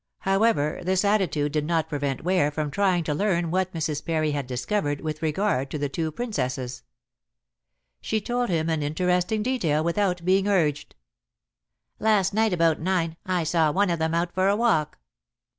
However, this attitude did not prevent Ware from trying to learn what Mrs. Parry had discovered with regard to the two Princesses. She told him an interesting detail without being urged. "Last night about nine I saw one of them out for a walk."